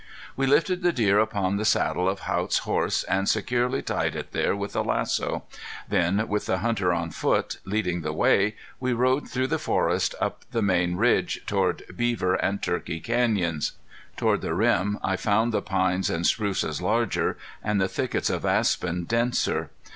We lifted the deer upon the saddle of Haught's horse and securely tied it there with a lasso; then with the hunter on foot, leading the way, we rode through the forest up the main ridge between Beaver and Turkey Canyons. Toward the rim I found the pines and spruces larger, and the thickets of aspen denser.